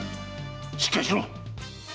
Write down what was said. しっかりしろ！